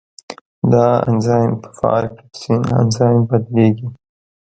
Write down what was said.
دا انزایم په فعال پیپسین انزایم بدلېږي.